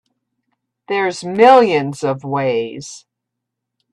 There's millions of ways.